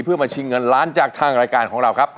เพื่อมาชิงเงินล้านจากทางรายการของเราครับ